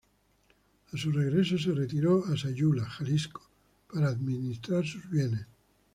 A su regreso se retiró a Sayula, Jalisco, para administrar sus bienes.